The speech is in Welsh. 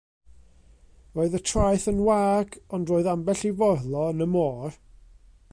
Roedd y traeth yn wag, ond roedd ambell i forlo yn y môr.